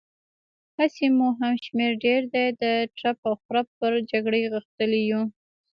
هسې مو هم شمېر ډېر دی، د ترپ او خرپ پر جګړې غښتلي يو.